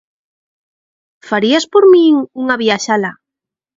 _¿Farías por min unha viaxe alá?